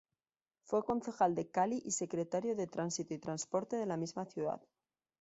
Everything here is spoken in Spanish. Fue concejal de Cali y Secretario de tránsito y transporte de la misma ciudad.